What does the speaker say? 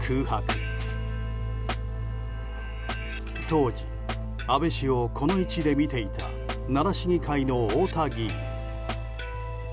当時、安倍氏をこの位置で見ていた奈良市議会の太田議員。